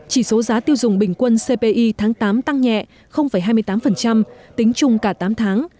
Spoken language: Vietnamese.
chỉ số giá tiêu dùng bình quân cpi tháng tám tăng nhẹ hai mươi tám tính chung cả tám tháng